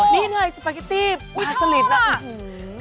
นี่เนี่ยสปาเก็ตตี้มาสลิดนะชอบมาก